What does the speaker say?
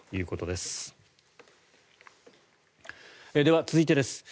では続いてです。